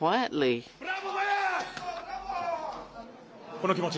この気持ち。